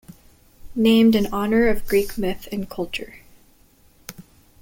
Named in honor of Greek myth and culture.